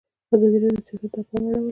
ازادي راډیو د سیاست ته پام اړولی.